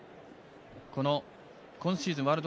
今シーズン